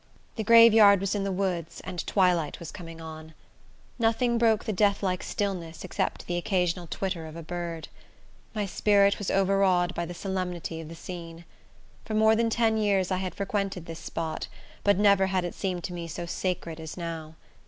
The graveyard was in the woods, and twilight was coming on. Nothing broke the death like stillness except the occasional twitter of a bird. My spirit was overawed by the solemnity of the scene. For more than ten years I had frequented this spot, but never had it seemed to me so sacred as now.